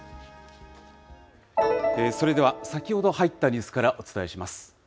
それでは先ほど入ったニュースからお伝えします。